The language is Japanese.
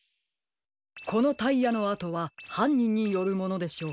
このタイヤのあとははんにんによるものでしょう。